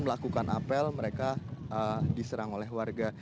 melakukan apel mereka diserang oleh warga